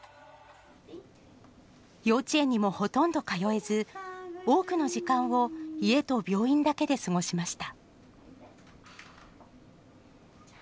幼稚園にもほとんど通えず、多くの時間を家と病院だけで過ごしました。